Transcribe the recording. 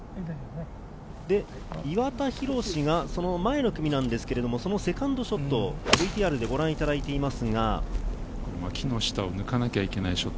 岩田寛がその前の組なんですが、そのセカンドショット、ＶＴＲでご覧いただいています。